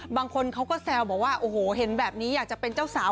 บางคนเขาก็แซวบอกว่าโอ้โหเห็นแบบนี้อยากจะเป็นเจ้าสาว